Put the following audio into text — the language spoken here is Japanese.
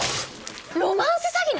ロマンス詐欺ね？